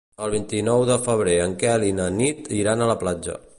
El vint-i-nou de febrer en Quel i na Nit iran a la platja.